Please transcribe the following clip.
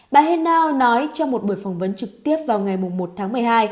bà hennao nói trong một buổi phỏng vấn trực tiếp vào ngày một tháng một mươi hai